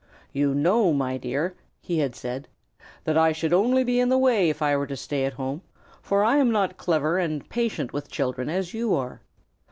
"You know, my dear," he had said, "that I should only be in the way if I were to stay at home, for I am not clever and patient with children as you are.